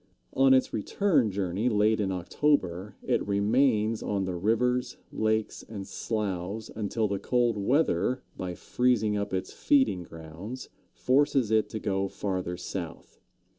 On its return journey late in October, it remains on the rivers, lakes, and sloughs until the cold weather, by freezing up its feeding grounds, forces it to go farther south.